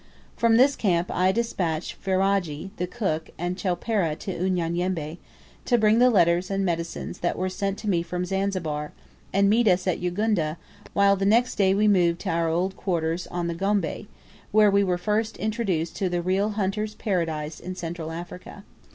From this camp I despatched Ferajji, the cook, and Chowpereh to Unyanyembe, to bring the letters and medicines that were sent to me from Zanzibar, and meet us at Ugunda, while the next day we moved to our old quarters on the Gombe, where we were first introduced to the real hunter's paradise in Central Africa.